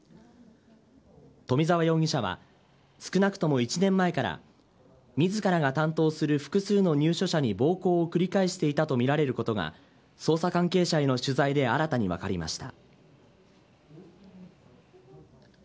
冨澤容疑者は少なくとも１年前から自らが担当する複数の入所者に暴行を繰り返していたとみられることが捜査関係者への取材で新たに分かりました。